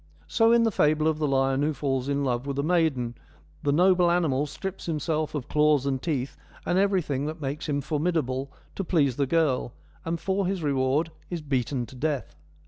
So in the fable of the lion who falls in love with a maiden, the noble animal strips himself of claws and teeth, and everything that makes him formidable, to please the girl, and for his reward is beaten to death.